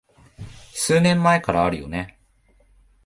数年前からあるよね